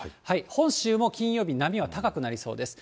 本州も金曜日、波は高くなりそうです。